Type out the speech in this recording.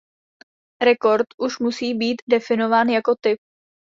Record už musí být definován jako typ.